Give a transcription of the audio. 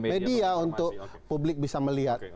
media untuk publik bisa melihat